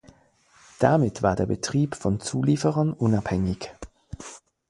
Damit war der Betrieb von Zulieferern unabhängig.